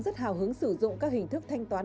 rất hào hứng sử dụng các hình thức thanh toán